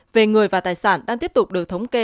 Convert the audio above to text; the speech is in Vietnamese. về người và tài sản đang tiếp tục được thống kê